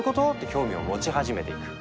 興味を持ち始めていく。